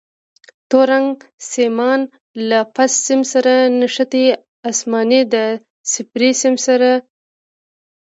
تور رنګ سیمان له فاز سیم سره نښتي، اسماني د صفري سیم سره.